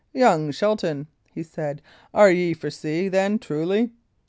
"Young Shelton," he said, "are ye for sea, then, truly?"